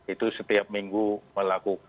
itu setiap minggu melakukan